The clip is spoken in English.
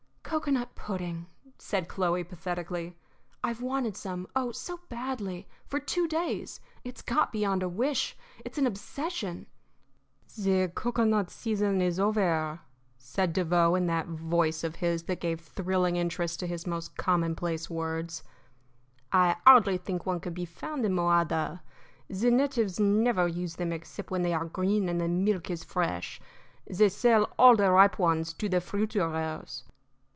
"Cocoanut pudding," said Chloe, pathetically. "I've wanted some oh, so badly, for two days. It's got beyond a wish; it's an obsession." "The cocoanut season is over," said Devoe, in that voice of his that gave thrilling interest to his most commonplace words. "I hardly think one could be found in Mojada. The natives never use them except when they are green and the milk is fresh. They sell all the ripe ones to the fruiterers."